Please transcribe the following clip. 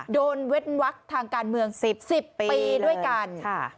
โดนเวทนวักษ์ทางการเมือง๑๐ปีด้วยกัน